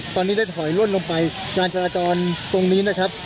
ตอนนี้ได้ถอยล่นลงไปการจราจรตรงนี้นะครับ